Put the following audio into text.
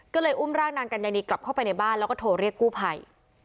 ก็เลยอุ้มร่างนางกัญญานีกลับเข้าไปในบ้านแล้วก็โทรเรียกกู้ภัย